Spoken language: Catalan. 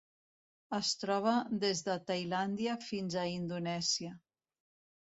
Es troba des de Tailàndia fins a Indonèsia.